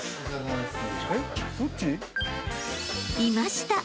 ［いました！